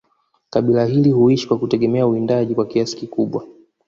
kabila hili huishi kwa kutegemea uwindaji kwa kiasi kikubwa